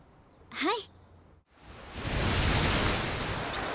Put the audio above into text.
はい。